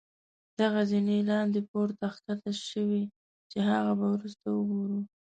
دغه زينې لاندې پوړ ته ښکته شوي چې هغه به وروسته وګورو.